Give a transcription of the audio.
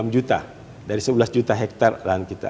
dua enam juta dari sebelas juta hektar lahan kita